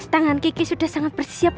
tangan kiki sudah sangat bersiap